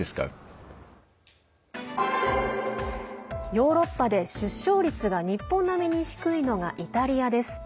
ヨーロッパで出生率が日本並みに低いのがイタリアです。